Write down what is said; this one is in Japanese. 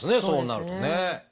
そうなるとね。